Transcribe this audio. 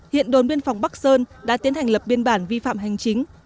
hiện đồn biên phòng bắc sơn đã tiến hành lập biên bản vi phạm hành chính